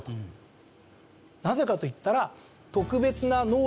なぜかといったら。